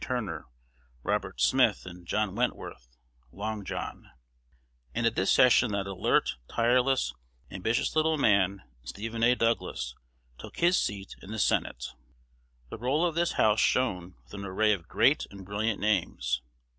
Turner, Robert Smith, and John Wentworth (Long John). And at this session that alert, tireless, ambitious little man, Stephen A. Douglas, took his seat in the Senate. The roll of this House shone with an array of great and brilliant names.